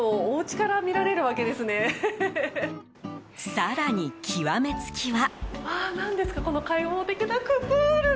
更に、極めつきは。